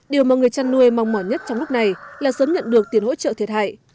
điều mà người chăn nuôi mong mỏi nhất trong lúc này là sớm nhận được tiền hỗ trợ thiệt hại